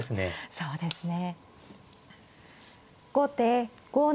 そうですね。